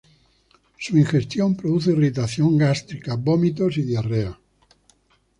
Su ingestión produce irritación gástrica, vómitos y diarrea.